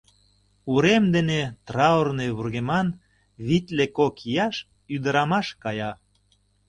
Урем дене траурный вургеман витле кок ияш ӱдырамаш кая.